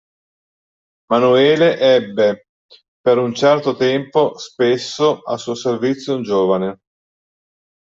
Manuele ebbe per un certo tempo spesso a suo servizio un giovane.